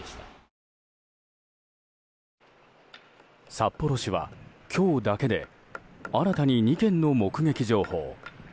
札幌市は、今日だけで新たに２件の目撃情報。